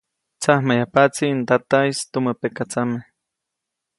Tsamjayajpaʼtsi ndataʼis tumä pekatsame.